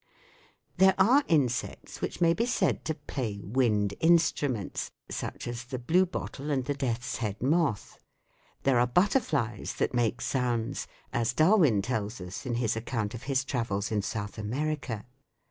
There are insects which may be said to play wind instruments, such as the blue bottle and the death's head moth. There are butterflies that make sounds, as Darwin tells us in his account of his travels in South America.